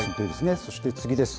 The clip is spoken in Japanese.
そして次です。